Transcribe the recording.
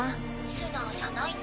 素直じゃないね。